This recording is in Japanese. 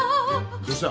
どうした？